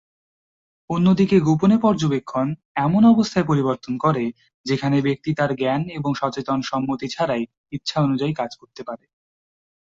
অন্যদিকে গোপনে পর্যবেক্ষণ, এমন অবস্থায় পরিবর্তন করে যেখানে ব্যক্তি তার জ্ঞান এবং সচেতন সম্মতি ছাড়াই ইচ্ছা অনুযায়ী কাজ করতে পারে।